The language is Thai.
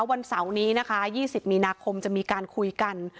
วันเสาร์นี้นะคะ๒๐มีนาคมจะมีการคุยกัน